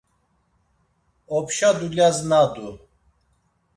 Opşa dulyas nadu.